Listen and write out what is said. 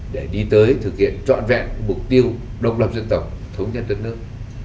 để đi tới thực hiện trọn vẹn mục tiêu độc lập dân tộc thống nhất đất nước